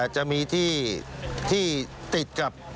จะมีที่ติดกับ